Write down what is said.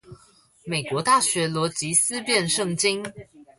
美國大學邏輯思辨聖經